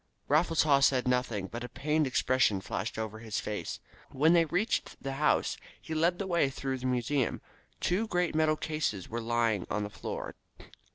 Raffles Haw said nothing, but a pained expression flashed over his face. When they reached the house he led the way through the museum. Two great metal cases were lying on the floor.